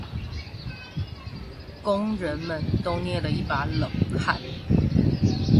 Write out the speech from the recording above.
工人們都捏了一把冷汗